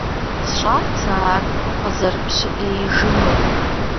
СщӀат сэ ар къызэрыпщыӀеижынур.